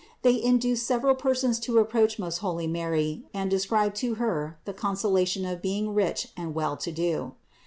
They in duced several persons to approach most holy Mary and describe to Her the consolation of being rich and well to do.